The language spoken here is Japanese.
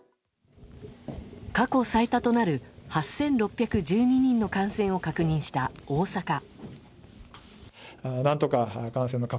過去最多となる８６１２人の感染を確認した大阪。